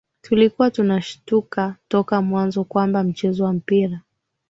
tulikuwa tunashtuka toka mwanzo kwamba mchezo wa mpira